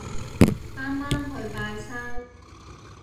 啱啱去拜山